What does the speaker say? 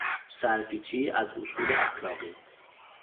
سر پیچی از اصول اخلاقی